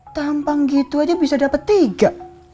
tampang gitu aja bisa dapat tiga